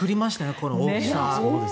この大きさ。